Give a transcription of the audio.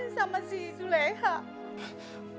sama si suleha